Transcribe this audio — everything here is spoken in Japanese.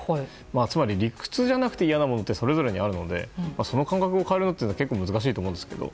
つまり理屈じゃなくて嫌なものってそれぞれにあるのでその感覚を変えるのは結構難しいと思うんですけど。